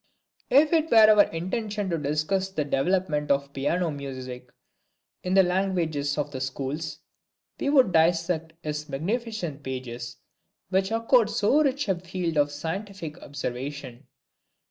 If it were our intention to discuss the development of Piano music in the language of the Schools, we would dissect his magnificent pages, which afford so rich a field for scientific observation.